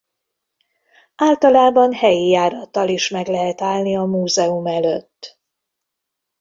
Általában helyi járattal is meg lehet állni a múzeum előtt.